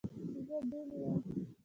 زه دلې یم.